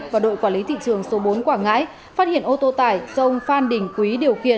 và đội quản lý thị trường số bốn quảng ngãi phát hiện ô tô tải dông phan đình quý điều kiện